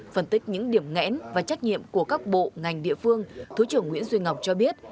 phân tích những điểm ngẽn và trách nhiệm của các bộ ngành địa phương thứ trưởng nguyễn duy ngọc cho biết